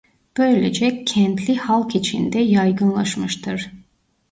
Böylece kentli halk içinde yaygınlaşmıştır.